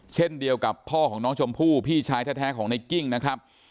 เช่นเดียวกับพ่อของน้องชมพู่พี่ชายแท้ของในกิ้งนะครับ